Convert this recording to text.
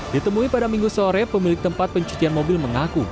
ditemui pada minggu sore pemilik tempat pencucian mobil mengaku